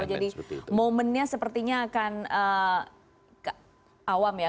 jadi momennya sepertinya akan awam ya